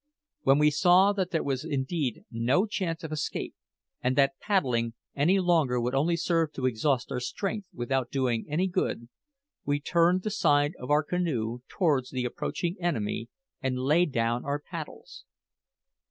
When we saw that there was indeed no chance of escape, and that paddling any longer would only serve to exhaust our strength without doing any good, we turned the side of our canoe towards the approaching enemy and laid down our paddles.